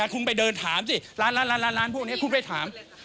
ที่นี่คุณไปเดินถามสิร้านพวกนี้คุณไปถาม